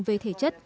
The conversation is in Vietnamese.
về thể chất